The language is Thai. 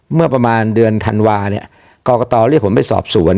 เมื่อประมาณเดือนธันวาเนี่ยกรกตเรียกผมไปสอบสวน